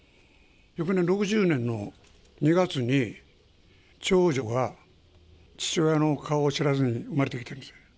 翌年６０年の２月に、長女が父親の顔を知らずに生まれてきてますね。